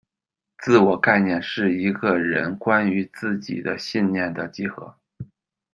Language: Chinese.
自我概念是一个人关于自己的信念的集合。